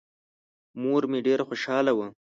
مور مې ډېره خوشحاله وه.